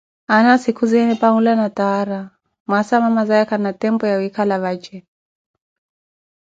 Aana sikhuzeene epi anwula nstaara, mwaasa amamazaya khana tempo ya wiikhala vaje.